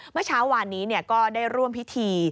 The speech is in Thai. เมื่อเช้าวานนี้ก็ได้ร่วมพิธี